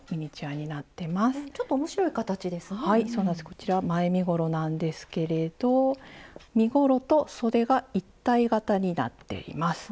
こちら前身ごろなんですけれど身ごろとそでが一体型になっています。